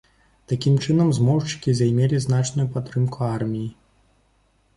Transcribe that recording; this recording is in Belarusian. Такім чынам, змоўшчыкі займелі значную падтрымку арміі.